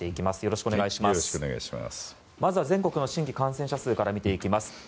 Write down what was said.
まずは全国の新規感染者数から見ていきます。